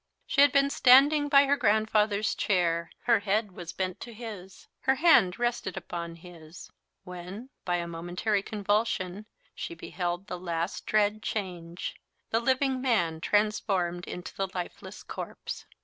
She had been standing by her grandfather's chair her head was bent to his her hand rested upon his, when, by a momentary convulsion, she beheld the last dread change the living man transformed into the lifeless corpse.